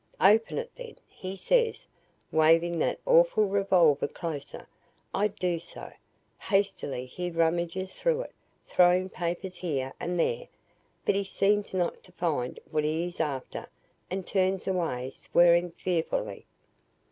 "'Open it then,' he says, waving that awful revolver closer. I do so. Hastily he rummages through it, throwing papers here and there. But he seems not to find what he is after and turns away, swearing fearfully.